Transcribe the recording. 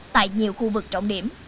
tại nhiều khu vực trọng điểm